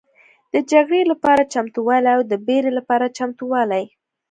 د جګړې لپاره چمتووالی او د بري لپاره چمتووالی